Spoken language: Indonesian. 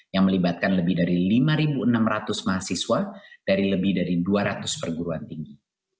yang melibatkan lebih dari lima enam ratus mahasiswa dari lebih dari dua ratus perguruan tinggi